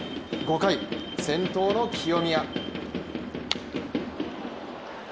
５回、先頭の清宮。